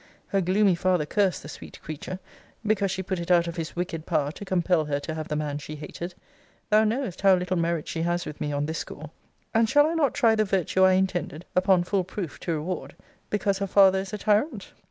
Her gloomy father cursed the sweet creature, because she put it out of his wicked power to compel her to have the man she hated. Thou knowest how little merit she has with me on this score. And shall I not try the virtue I intended, upon full proof, to reward, because her father is a tyrant?